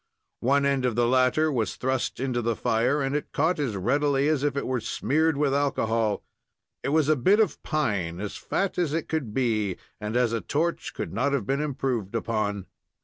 One end of the latter was thrust into the fire, and it caught as readily as if it were smeared with alcohol. It was a bit of pine, as fat as it could be, and, as a torch, could not have been improved upon.